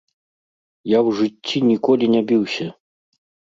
Я ў жыцці ніколі не біўся!